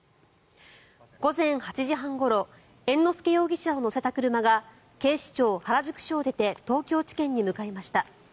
午前８時半ごろ猿之助容疑者を乗せた車が警視庁原宿署を出て東京地検に向かいました。